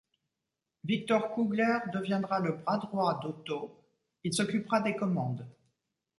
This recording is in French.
Victor Kugler deviendra le bras droit d'Otto, il s’occupera des commandes.